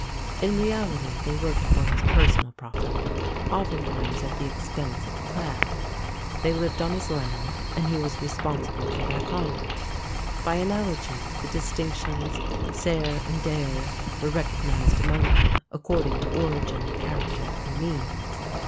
In reality they worked for his personal profit, oftentimes at the expense of the clan. They lived on his land, and he was responsible for their conduct. By analogy, the distinctions saer and daer were recognized among them, according to origin, character, and means.